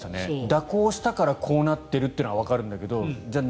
蛇行したからこうなっているというのはわかるんだけどじゃあ